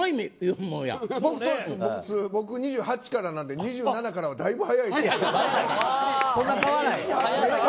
僕、２８からなんで２７からはだいぶ早いですね。